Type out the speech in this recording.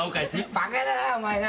バカだなお前な。